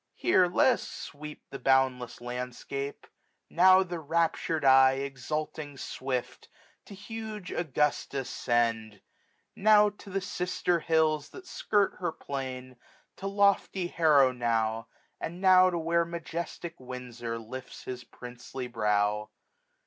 Here let us sweep The boundless landskip : now the raptur'd eye. Exulting swift, to huge Augusta send ; Now to the Sifter Hills that skirt her plain} 1410 To lofty Harrow now, and now to where Majestic Windfor lifts his princely brow.